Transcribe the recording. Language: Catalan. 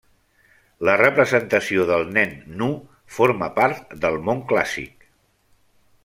La representació del nen nu forma part del món clàssic.